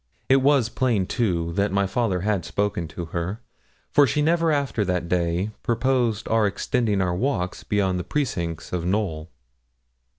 It was plain, too, that my father had spoken to her, for she never after that day proposed our extending our walks beyond the precincts of Knowl.